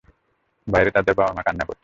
বাইরে তাদের বাবা-মা কান্না করছে।